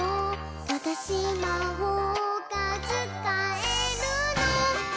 「わたしまほうがつかえるの！」